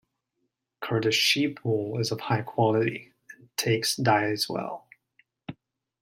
Kurdish sheep wool is of high quality, and takes dyes well.